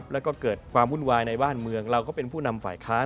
แล้วก็เกิดความวุ่นวายในบ้านเมืองเราก็เป็นผู้นำฝ่ายค้าน